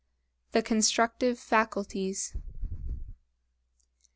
THE CONSTRUCTIVE FACULTIES.